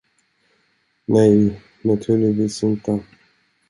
Nej, naturligtvis inte.